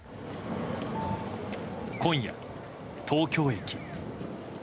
今夜、東京駅。